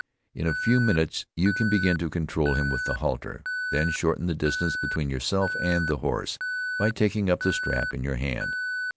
In a few minutes you can begin to control him with the halter, then shorten the distance between yourself and the horse, by taking up the strap in your hand.